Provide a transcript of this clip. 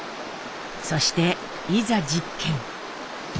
そしていざ実験。